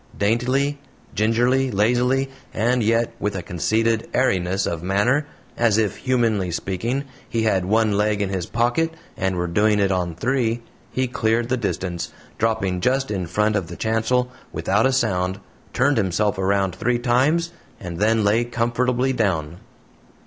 Daintily, gingerly, lazily, and yet with a conceited airiness of manner, as if, humanly speaking, he had one leg in his pocket and were doing it on three, he cleared the distance, dropping just in front of the chancel, without a sound, turned himself around three times, and then lay comfortably down.